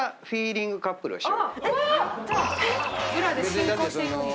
フィーリングカップル。